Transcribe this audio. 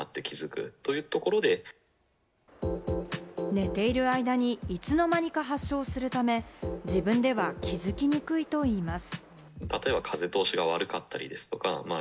寝ている間にいつの間にか発症するため、自分では気づきにくいといいます。